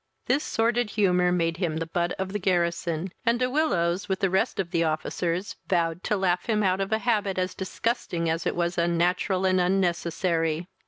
This sordid humour made him the butt of the garrison, and De Willows, with the rest of the officers, vowed to laugh him out of a habit as disgusting as it was unnatural and unnecessary.